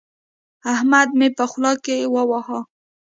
احمد مې په خوله کې وواهه.